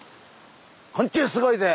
「昆虫すごいぜ！」